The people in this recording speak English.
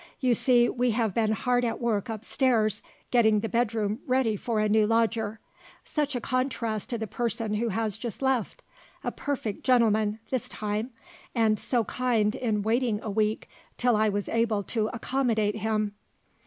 You see we have been hard at work upstairs, getting the bedroom ready for a new lodger. Such a contrast to the person who has just left. A perfect gentleman, this time and so kind in waiting a week till I was able to accommodate him.